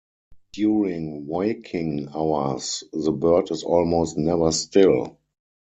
During waking hours the bird is almost never still.